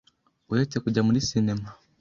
Uretse kujya muri Sinema,